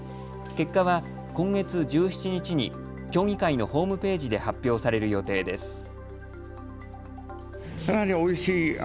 結果は今月１７日に協議会のホームページで発表される予定です。